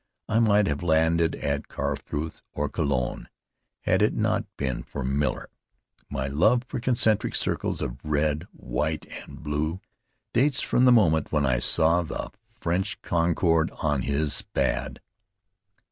I might have landed at Karlsruhe or Cologne, had it not been for Miller. My love for concentric circles of red, white, and blue dates from the moment when I saw the French cocarde on his Spad.